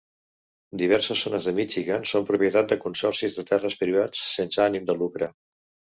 Diverses zones de Michigan són propietat de consorcis de terres privats sense ànim de lucre.